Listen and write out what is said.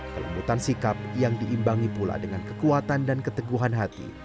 kelembutan sikap yang diimbangi pula dengan kekuatan dan keteguhan hati